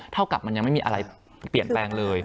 เท่ากับมันยังไม่มีอะไรเปลี่ยนแปลงเลย